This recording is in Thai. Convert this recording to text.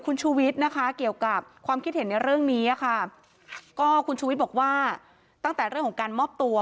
คุณชูวิทย์บอกว่าตั้งแต่เรื่องของการมอบตัว